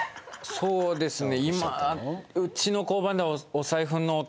そうですね